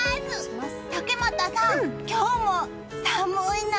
竹俣さん、今日も寒いな。